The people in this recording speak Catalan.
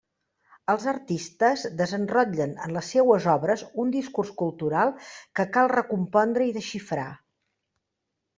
Els artistes desenrotllen en les seues obres un discurs cultural que cal recompondre i desxifrar.